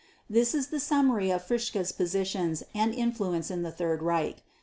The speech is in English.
This is the summary of Fritzsche's positions and influence in the Third Reich.